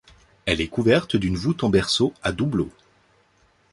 Elle est couverte d'une voûte en berceau à doubleau.